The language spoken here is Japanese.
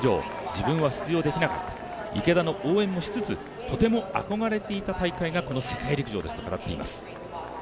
自分は出場できなかった池田の応援もしつつとても憧れていた大会がこの世界陸上だと語っています。